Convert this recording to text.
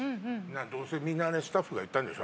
どうせみんなスタッフがやったんでしょ。